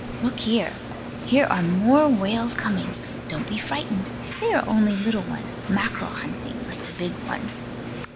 Look here! Here are more whales coming. Don't be frightened. They are only little ones, mackerel hunting, like the big one.